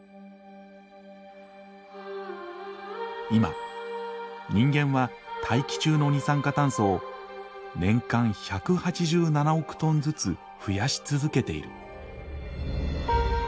今人間は大気中の二酸化炭素を年間１８７億トンずつ増やし続けている。